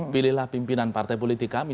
pilihlah pimpinan partai politik kami